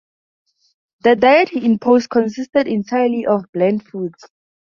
The diet he imposed consisted entirely of bland foods.